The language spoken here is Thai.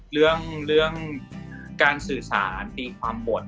เรื่องการสื่อสารตีความบ่น